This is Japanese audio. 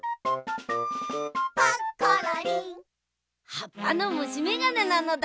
はっぱのむしめがねなのだ。